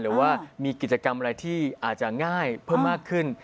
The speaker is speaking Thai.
หรือว่ามีกิจกรรมอะไรที่อาจจะง่ายเพิ่มมากขึ้น